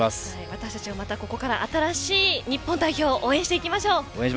私たちもまたここから新しい日本代表を応援しましょう。